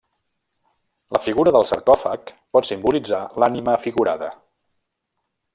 La figura del sarcòfag pot simbolitzar l'ànima figurada.